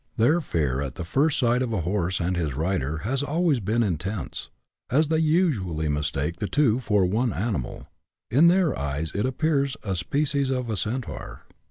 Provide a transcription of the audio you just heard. Their fear at the first sight of a horse and his rider has always been intense, as they usually mistake the two for one animal; CHAP. XIII.] NATIVE NAMES. 145 in their eyes it appears a species of centaur.